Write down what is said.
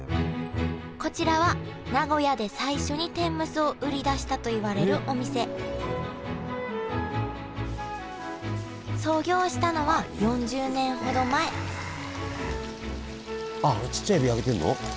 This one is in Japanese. こちらは名古屋で最初に天むすを売り出したといわれるお店創業したのは４０年ほど前あっあのちっちゃいエビ揚げてんの？